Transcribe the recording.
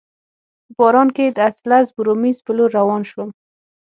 په باران کي د اسلز بورومیز په لور روان شوم.